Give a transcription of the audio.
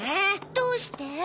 どうして？